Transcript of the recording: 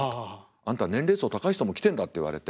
「あんた年齢層高い人も来てんだ」って言われて